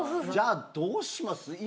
じゃどうします？